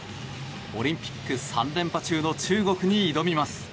オリンピック３連覇中の中国に挑みます。